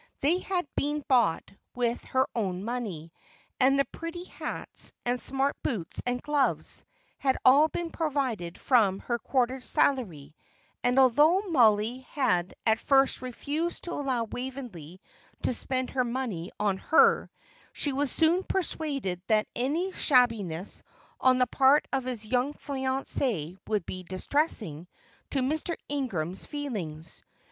They had been bought with her own money; and the pretty hats, and smart boots and gloves, had all been provided from her quarter's salary, and, although Mollie had at first refused to allow Waveney to spend her money on her, she was soon persuaded that any shabbiness on the part of his young fiancée would be distressing to Mr. Ingram's feelings.